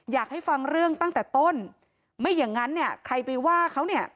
อยากให้ฟังเรื่องตั้งแต่ต้นไม่อย่างนั้นเนี่ยใครไปว่าเขาเนี่ย